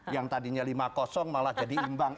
yang tadinya lima malah jadi imbang